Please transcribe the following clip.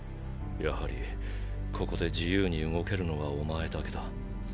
やはりここで自由に動けるのはお前だけだ。